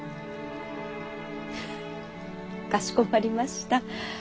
フッかしこまりました。